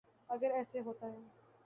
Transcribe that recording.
اگر ایسے ہوتا ہے۔